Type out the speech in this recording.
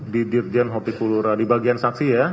di dirjen hortikutura di bagian saksi ya